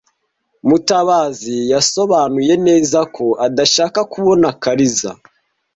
Mutabazi yasobanuye neza ko adashaka kubona Kariza .